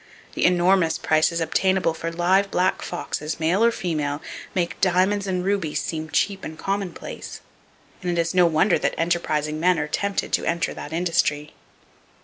The enormous prices obtainable for live black foxes, male or female, make diamonds and rubies seem cheap and commonplace; and it is no wonder that enterprising men are tempted to enter that industry.